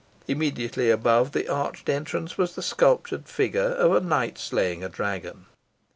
Immediately above the arched entrance was the sculptured figure of a knight slaying a dragon.